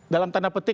dalam tanda petik